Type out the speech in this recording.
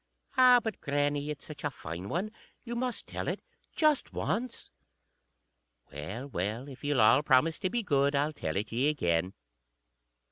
"_ "Ah! but, grannie, it's such a fine one. You must tell it. Just once." _"Well, well, if ye'll all promise to be good, I'll tell it ye again."